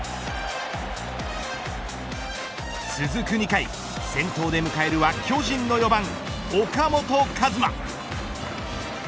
続く２回先頭で迎えるは、巨人の４番岡本和真。